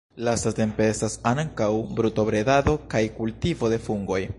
Lastatempe estas ankaŭ brutobredado kaj kultivo de fungoj.